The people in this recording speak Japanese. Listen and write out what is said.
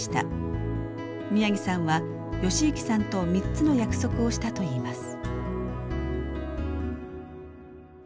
宮城さんは吉行さんと３つの約束をしたといいます。